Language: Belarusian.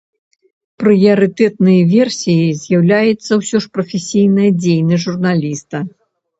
Прыярытэтнай версіяй з'яўляецца ўсё ж прафесійная дзейнасць журналіста.